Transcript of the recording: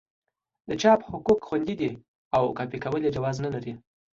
د چاپ حقوق خوندي دي او کاپي کول یې جواز نه لري.